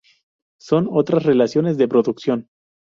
Son otras relaciones de producción.